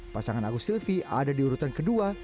pasangan agus silvi ada di urutan kedua